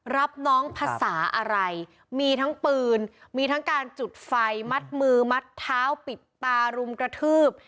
รับน้องภาษาอะไรมีทั้งปืนมีทั้งการจุดไฟมัดมือมัดเท้าปิดตารุมกระทืบ